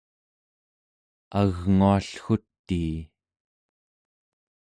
agnguallgutii